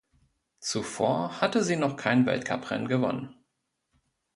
Zuvor hatte sie noch kein Weltcuprennen gewonnen.